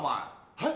はい？